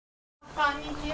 こんにちは。